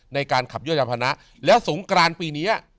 ในการขับเยื่อมธรรมภนะแล้วสูงกรานปีเนี้ย